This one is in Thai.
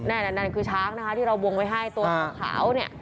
แน่นอนคือช้างที่เราวงไว้ให้ตัวขาวเนี่ย